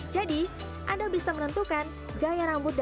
jadi anda bisa menentukan gaya rambut dan penataan yang berbeda dengan rambut pria